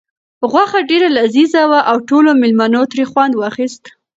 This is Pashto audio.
غوښه ډېره لذیذه وه او ټولو مېلمنو ترې خوند واخیست.